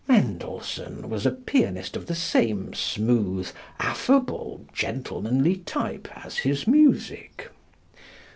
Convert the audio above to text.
Mendelssohn was a pianist of the same smooth, affable, gentlemanly type as his music.